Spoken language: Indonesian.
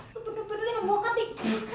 lu bener bener yang membawa ketik